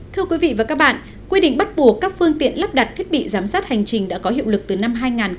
thưa quý vị và các bạn quy định bắt buộc các phương tiện lắp đặt thiết bị giám sát hành trình đã có hiệu lực từ năm hai nghìn một mươi bảy